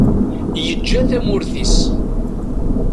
Yeǧǧa tamurt-is.